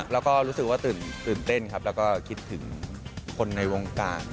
แล้วก็รู้สึกว่าตื่นเต้นครับแล้วก็คิดถึงคนในวงการ